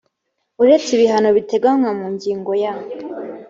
uretse ibihano biteganywa mu ngingo ya